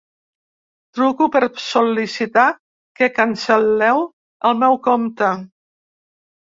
Truco per sol·licitar que cancel·leu el meu compte.